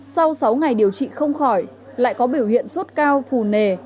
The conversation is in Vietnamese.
sau sáu ngày điều trị không khỏi lại có biểu hiện sốt cao phù nề